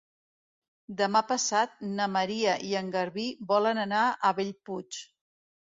Demà passat na Maria i en Garbí volen anar a Bellpuig.